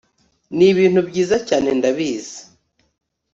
nibintu byiza cyane ndabizi